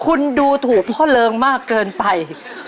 คุณดูถูกพ่อเริงมากเกินไป